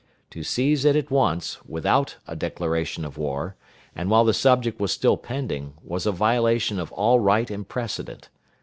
To seize it at once, without a declaration of war, and while the subject was still pending, was a violation of all right and precedent.